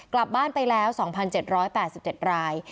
กลับบ้านไปแล้ว๒๗๘๗ราย